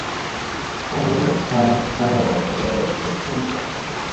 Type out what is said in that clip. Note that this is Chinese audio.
某年春三月二十一日去世。